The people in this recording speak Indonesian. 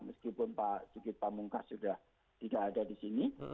meskipun pak jukit pamungkas sudah tidak ada di sini